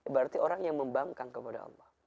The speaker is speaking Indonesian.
berarti orang yang membangkang kepada allah